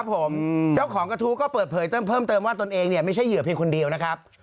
ผมเจ้าของกระทู้ก็เปิดเผยเพิ่มเติมว่าตนเองเนี่ยไม่ใช่เหยื่อเพียงคนเดียวนะครับ